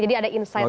jadi ada insight lagi